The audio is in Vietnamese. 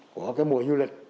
của cái mùa du lịch